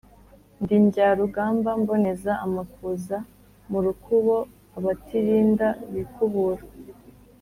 Ndi Njyarugamba mboneza amakuza mu rukubo abatirinda bikubura.